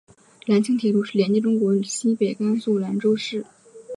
兰青铁路是连接中国西北甘肃兰州市西固区和青海西宁的一条铁路。